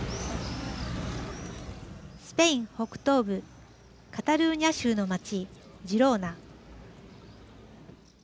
スペイン北東部カタルーニャ州の町ジローナ。